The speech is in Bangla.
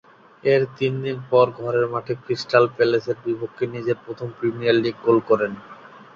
এর তিন দিন পর ঘরের মাঠে ক্রিস্টাল প্যালেসের বিপক্ষে নিজের প্রথম প্রিমিয়ার লিগ গোল করেন।